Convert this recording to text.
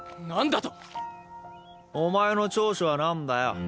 なんだと⁉お前の長所は何だよ？